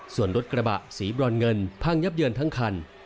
ส่วนรถกระบะสีบรอนเงินพังยับเยินทั้งคัน